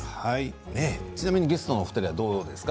ゲストのお二人はどうですか。